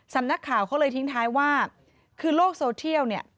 สำนักข่าวเขาเลยทิ้งท้ายว่าคือโลกโซเทียลเนี่ย